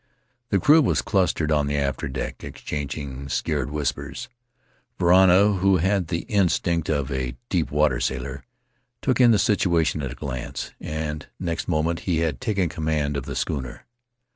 The crew was clustered on the after deck, exchanging scared whispers. Varana, who had the instinct of a deep water sailor, took in the situation at a glance, and next moment he had taken command of the schooner.